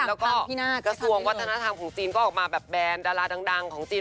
แล้วก็กระทรวงวัฒนธรรมของจีนก็ออกมาแบบแบนดาราดังของจีน